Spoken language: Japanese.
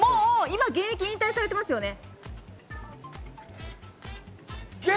現役、引退されてますよね？